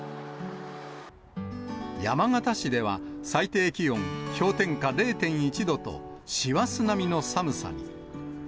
山形市では、最低気温氷点下０．１度と、師走並みの寒さに。